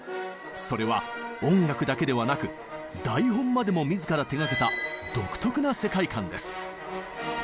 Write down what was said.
それは音楽だけではなく台本までも自ら手がけた独特な世界観です。